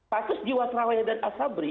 pasus jiwa trawanya dan asabri